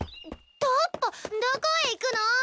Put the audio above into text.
どこへ行くの？